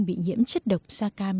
bị nhiễm chất độc sa cam